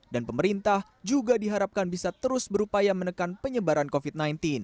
dan pemerintah juga diharapkan bisa terus berupaya menekan penyebaran covid sembilan belas